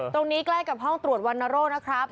ใกล้กับห้องตรวจวรรณโรคนะครับ